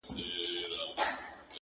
o اصل بې بها وي، کم اصل بها وي٫